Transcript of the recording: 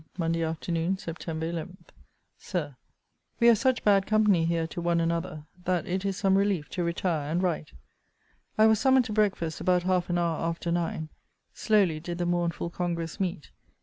] MONDAY AFTERNOON, SEPT. 11. SIR, We are such bad company here to one another, that it is some relief to retire and write. I was summoned to breakfast about half an hour after nine. Slowly did the mournful congress meet.